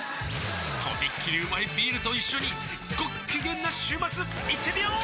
とびっきりうまいビールと一緒にごっきげんな週末いってみよー！